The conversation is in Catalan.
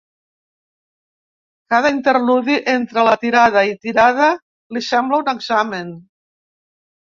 Cada interludi entre tirada i tirada li sembla un examen.